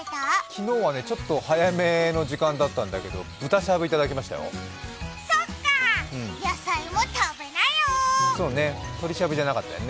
昨日はね、ちょっと早めの時間だったんだけど、豚しゃぶ、頂きましたよ。